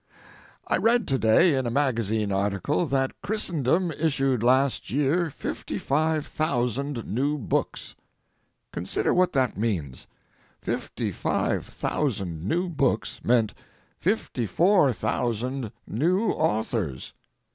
I read to day in a magazine article that Christendom issued last year fifty five thousand new books. Consider what that means! Fifty five thousand new books meant fifty four thousand new authors.